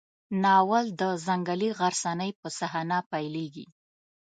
ناول د ځنګلي غرڅنۍ په صحنه پیلېږي.